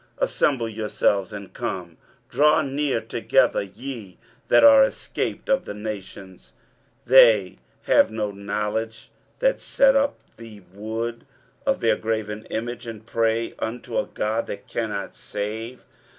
23:045:020 Assemble yourselves and come; draw near together, ye that are escaped of the nations: they have no knowledge that set up the wood of their graven image, and pray unto a god that cannot save.